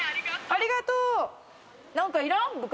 ありがとう。